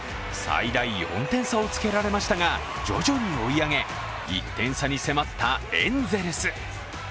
最大４点差をつけられましたが徐々に追い上げ、１点差に迫ったエンゼルス。